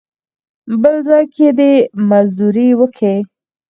بل ځای دې مزدوري وکي.